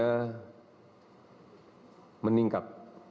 sehingga kemudian juga kita meningkat